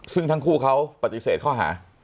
ซึ่งทั้งคู่เขาปฏิเสธข้อหา